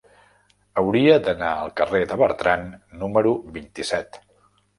Hauria d'anar al carrer de Bertran número vint-i-set.